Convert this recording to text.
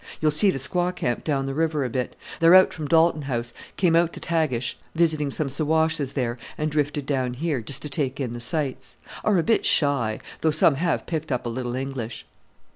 You'll see the squaw camp down the river a bit. They're out from Dalton House, came out to Tagish, visiting some Siwashes there, and drifted down here, just to take in the sights! Are a bit shy, though some have picked up a little English."